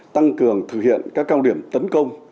tăng cường thực hiện các cao điểm tấn công